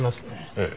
ええ。